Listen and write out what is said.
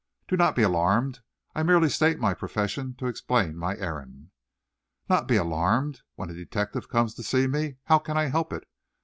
"Do not be alarmed, I merely state my profession to explain my errand." "Not be alarmed! when a detective comes to see me! How can I help it?